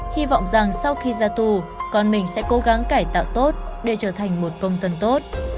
hy vọng rằng sau khi ra tù con mình sẽ cố gắng cải tạo tốt để trở thành một công dân tốt